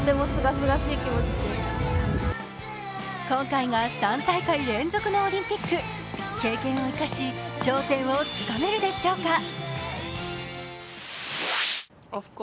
今回が３大会連続のオリンピック経験を生かし、頂点をつかめるでしょうか。